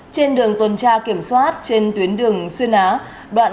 trên đường tuần tra kiểm soát trên tuyến đường xuyên á